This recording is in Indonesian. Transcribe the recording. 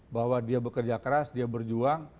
bahwa dia bekerja keras dia berjuang